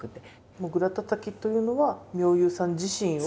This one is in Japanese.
もぐらたたきというのは妙憂さん自身を。